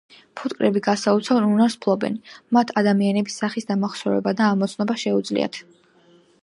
ფუტკრები გასაოცარ უნარს ფლობენ – მათ ადამიანების სახის დამახსოვრება და ამოცნობა შეუძლიათ